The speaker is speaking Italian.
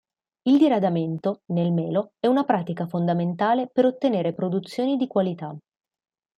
Il diradamento, nel melo, è una pratica fondamentale per ottenere produzioni di qualità.